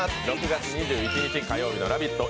６月２１日火曜日の「ラヴィット！」